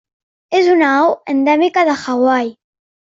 És una au endèmica de Hawaii.